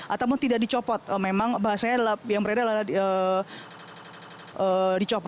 ataupun tidak dicopot memang bahasanya yang beredar adalah dicopot